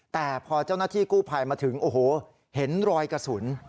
แต่พอเจ้าหน้าที่กู้ภัยมาถึงโอ้โหเห็นรอยกระสุน